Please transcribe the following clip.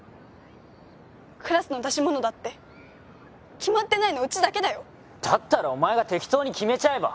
クラスの出し物だって決まってないのうちだけだよだったらおまえが適当に決めちゃえば？